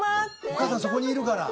お母さんそこにいるから。